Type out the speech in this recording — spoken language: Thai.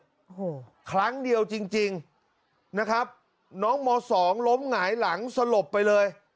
โอ้โหครั้งเดียวจริงจริงนะครับน้องมสองล้มหงายหลังสลบไปเลย